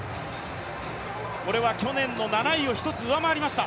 これは去年の７位を一つ上回りました。